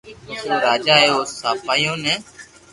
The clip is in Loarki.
پسي او راجا اي او سپايو ني